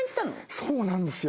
そうなんですよ。